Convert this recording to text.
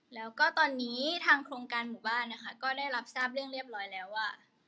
แล้วก็ตอนนี้ทางโครงการหมู่บ้านนะคะก็ได้รับทราบเรื่องเรียบร้อยแล้วว่า